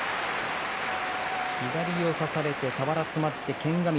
左を差されて俵に詰まって剣が峰。